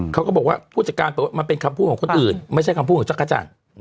เขาก็บอกว่าผู้จัดการเป็นคำพูดของคนอื่นไม่ใช่คำพูดของเจ้าข้าจันทร์